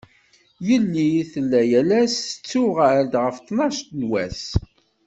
Yelli tella yal ass tettuɣal-d ɣef ṭnac n wass.